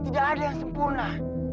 tidak ada yang sempurna